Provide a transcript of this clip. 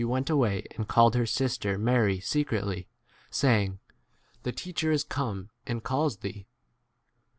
went away and called her sister Mary secretly, saying, The teacher 29 is come and calls thee.